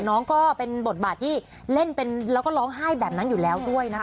น้องก็เป็นบทบาทที่เล่นเป็นแล้วก็ร้องไห้แบบนั้นอยู่แล้วด้วยนะคะ